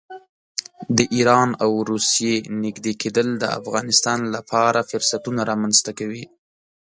د ایران او روسیې نږدې کېدل د افغانستان لپاره فرصتونه رامنځته کوي.